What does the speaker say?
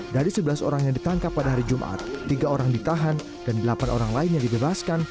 dari sebelas orang yang ditangkap pada hari jumat tiga orang ditahan dan delapan orang lainnya dibebaskan